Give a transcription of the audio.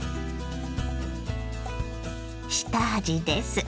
下味です。